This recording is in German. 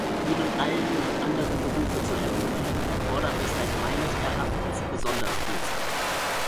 Ihnen allen nun andere Berufe zu ermöglichen, erfordert deshalb meines Erachtens besonders viel Zeit.